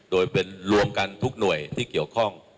โดยเป็นรวมกันทุกหน่วยที่เกี่ยวข้อง